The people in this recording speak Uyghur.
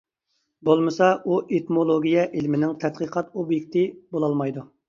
بولمىسا ئۇ ئېتىمولوگىيە ئىلمىنىڭ تەتقىقات ئوبيېكتى بولالمايدۇ.